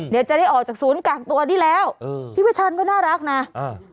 เดี๋ยวจะได้ออกจากศูนย์กากตัวนี้แล้วพี่วิชานก็น่ารักนะเออ